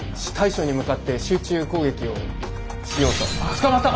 捕まった！